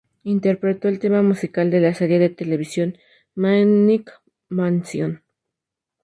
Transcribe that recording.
Interpretó el tema musical de la serie de televisión "Maniac Mansion".